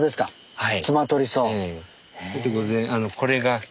はい。